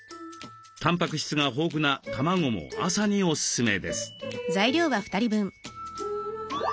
たんぱく質が豊富な卵も朝にオススメです。